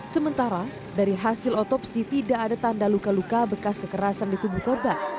sementara dari hasil otopsi tidak ada tanda luka luka bekas kekerasan di tubuh korban